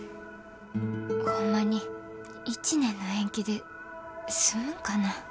ホンマに１年の延期で済むんかなぁ。